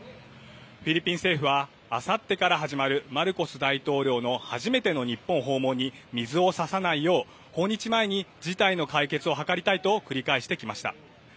フィリピン政府はあさってから始まるマルコス大統領の初めての日本訪問に水をささないよう訪日前に事態の解決を図りたいと繰り返してきました。